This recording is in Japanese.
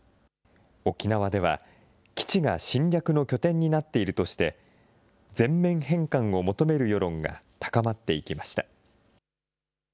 沖縄では、基地が侵略の拠点になっているとして、全面返還を求める世論が高まっていきました。